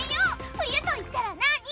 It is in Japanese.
冬といったらなに？